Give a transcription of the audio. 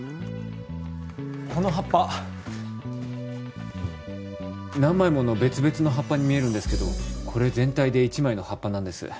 この葉っぱ何枚もの別々の葉っぱに見えるんですけどこれ全体で１枚の葉っぱなんです。